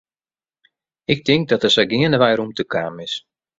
Ik tink dat der sa geandewei rûmte kaam is.